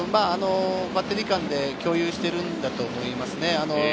バッテリー間で共有してるんだと思いますね。